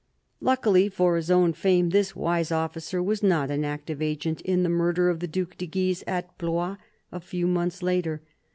Luckily for his own fame, this "wise officer" was not an active agent in the murder of the Due de Guise at Blois, a few months later.